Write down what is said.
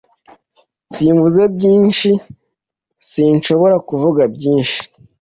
Simvuze byinshi sinshobora kuvuga byinshi